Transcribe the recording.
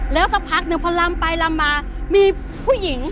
แล้วสักพักหนึ่งพอลำไปลำมามีผู้หญิง